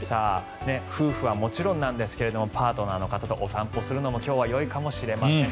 夫婦はもちろんなんですがパートナーの方とお散歩するのも今日はよいかもしれません。